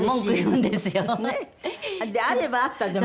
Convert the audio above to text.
であればあったで